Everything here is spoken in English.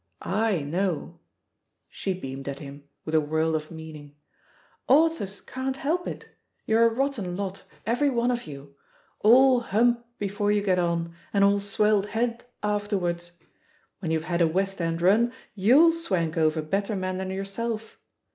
/ know" — she beamed at him, with a world of meaning — "authors can't help it ; you're a rotten lot, every one of you — ^all hump before you get on, and all swelled head afterwards. When youVe had a West End run, you^U swank over better men than yoiu^self.